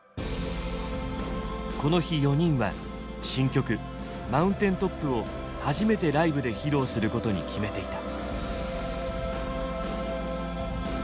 この日４人は新曲「ＭｏｕｎｔａｉｎＴｏｐ」を初めてライブで披露することに決めていた。